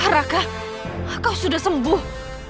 raka kau sudah sembuh